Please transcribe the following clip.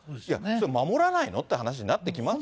守らないの？って話になってきますわ。